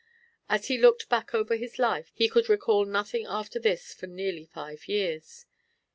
As he looked back over his life he could recall nothing after this for nearly five years.